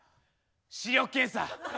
視力検査。